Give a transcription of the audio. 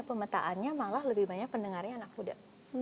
pemetaannya malah lebih banyak pendengarnya anak muda